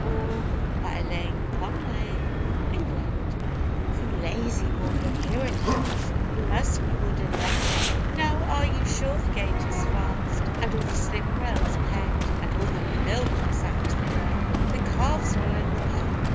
TROUBLE ON THE SELECTION You lazy boy, you're here at last, You must be wooden legged Now, are you sure the gate is fast And all the sliprails pegged And all the milkers at the yard, The calves all in the pen?